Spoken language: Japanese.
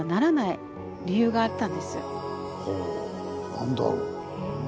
何だろう？